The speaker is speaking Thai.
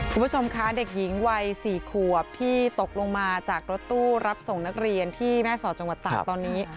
คุณผู้ชมคะเด็กหญิงวัย๔ขวบที่ตกลงมาจากรถตู้รับส่งนักเรียนที่แม่สอดจังหวัดตากตอนนี้